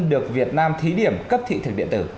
được việt nam thí điểm cấp thị thực điện tử